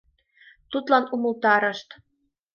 Тудлан умылтарышт.